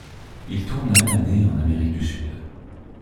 Ils tournent la même année en Amérique du Sud.